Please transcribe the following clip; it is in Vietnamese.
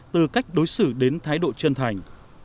từ cách đối xử đến thái độ chân thành